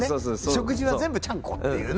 食事は全部ちゃんこっていうね。